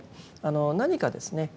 何かですね